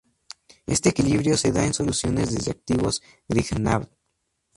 Este equilibrio se da en soluciones de reactivos Grignard.